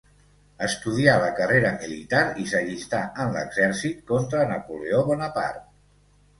Estudià la carrera militar i s'allistà en l'exèrcit contra Napoleó Bonaparte.